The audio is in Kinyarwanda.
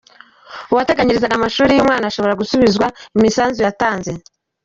Uwateganyirizaga amashuri y’umwana ashobora gusubizwa imisanzu yatanze.